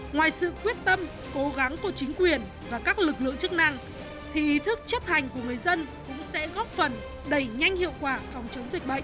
ngoài sự quyết tâm cố gắng của chính quyền và các lực lượng chức năng thì ý thức chấp hành của người dân cũng sẽ góp phần đẩy nhanh hiệu quả phòng chống dịch bệnh